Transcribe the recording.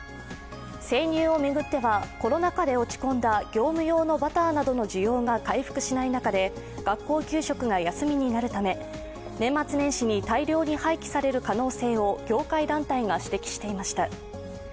生乳を巡ってはコロナ禍で落ち込んだ業務用のバターなどの需要が回復しない中で学校給食が休みになるため年末年始に大量に廃棄される可能性を業界団体が指摘していました。